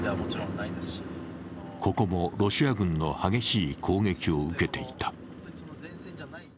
ここもロシア軍の激しい攻撃を受けていた。